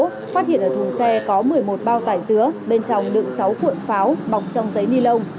phát hiện ở thùng xe có một mươi một bao tải dứa bên trong đựng sáu cuộn pháo bọc trong giấy ni lông